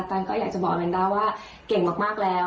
ตันก็อยากจะบอกแมนด้าว่าเก่งมากแล้ว